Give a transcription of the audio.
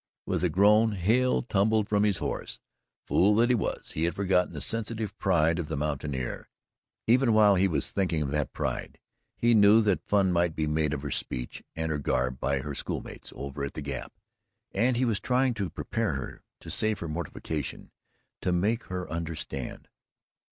With a groan Hale tumbled from his horse. Fool that he was, he had forgotten the sensitive pride of the mountaineer, even while he was thinking of that pride. He knew that fun might be made of her speech and her garb by her schoolmates over at the Gap, and he was trying to prepare her to save her mortification, to make her understand.